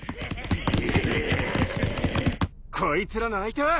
こいつらの相手は！